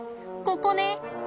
ここね！